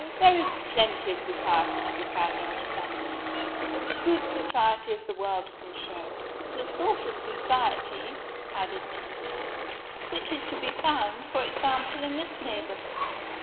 "There is plenty of society to be found out of London as good society as the world can show." "The sort of society," added Miss Pink, "which is to be found, for example, in this neighborhood.